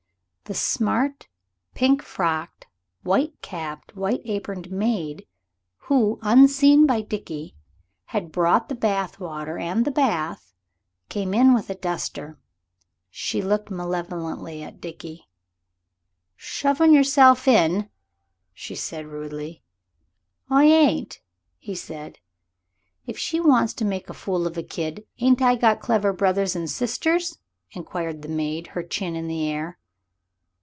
The smart, pink frocked, white capped, white aproned maid, who, unseen by Dickie, had brought the bath water and the bath, came in with a duster. She looked malevolently at Dickie. "Shovin' yourself in," she said rudely. "I ain't," said he. "If she wants to make a fool of a kid, ain't I got clever brothers and sisters?" inquired the maid, her chin in the air.